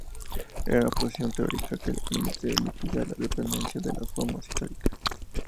Era una posición teórica que le permitía mitigar la dependencia de las formas históricas.